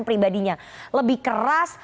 pribadinya lebih keras